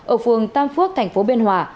ở phường tam phước tp biên hòa